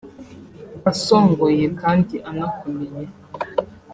asongoye kandi anakomeye